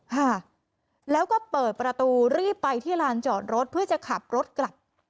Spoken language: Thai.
ค่ะแล้วก็เปิดประตูรีบไปที่ลานจอดรถเพื่อจะขับรถกลับ